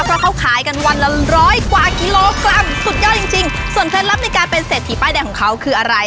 เพราะเขาขายกันวันละร้อยกว่ากิโลกรัมสุดยอดจริงจริงส่วนเคล็ดลับในการเป็นเศรษฐีป้ายแดงของเขาคืออะไร